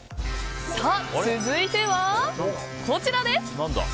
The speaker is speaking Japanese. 続いては、こちらです。